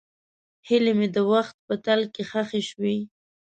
هیلې مې د وخت په تل کې ښخې شوې.